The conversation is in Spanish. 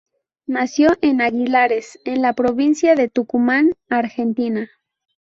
Nació en Aguilares, en la provincia de Tucumán, Argentina.